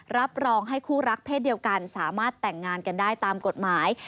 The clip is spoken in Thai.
รับรองให้คู่รักเศษเดียวกันสามารถแต่งงานกันได้ตามกฎหมาย